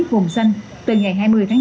nguồn xanh từ ngày hai mươi tháng chín